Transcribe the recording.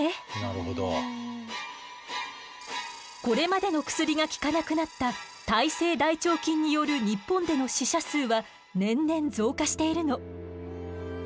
これまでの薬が効かなくなった耐性大腸菌による日本での死者数は年々増加しているの。